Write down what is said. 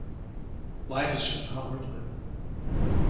Life is just not worth living.